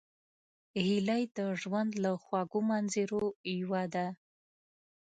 هیلۍ د ژوند له خوږو منظرو یوه ده